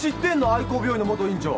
愛光病院の元院長。